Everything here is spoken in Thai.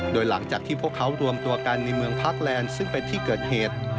โดยหลังจากที่พวกเขารวมตัวกันในเมืองพาร์คแลนด์ซึ่งเป็นที่เกิดเหตุ